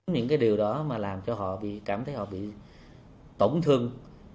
những cái điều đó mà làm cho họ cảm thấy họ bị tổn thương